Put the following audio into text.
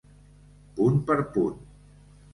Punt per punt.